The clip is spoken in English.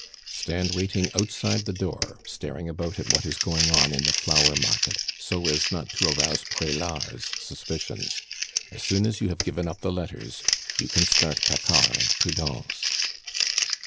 Stand waiting outside the door, staring about at what is going on in the Flower Market, so as not to arouse Prelard's suspicions. As soon as you have given up the letters, you can start Paccard and Prudence."